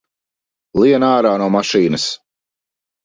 Lien ārā no mašīnas!